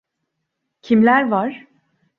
Kimler var?